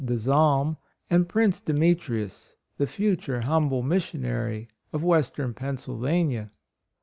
31 De Salm, and Prince Demetrius, the future humble missionary of Western Pennsylvania.